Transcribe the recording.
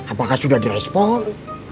apakah sudah di respon